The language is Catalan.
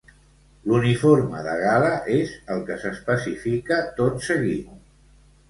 L'uniforme de gala és el que s'especifica tot seguit.